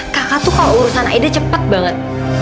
kakak tuh kalau urusan aida cepet banget